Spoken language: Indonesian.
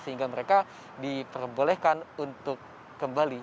sehingga mereka diperbolehkan untuk kembali